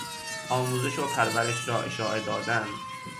آموزش و پرورش را اشاعه دادن